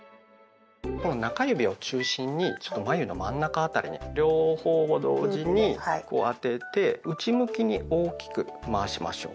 この中指を中心にちょっと眉の真ん中辺りに両方を同時にこう当てて内向きに大きく回しましょう。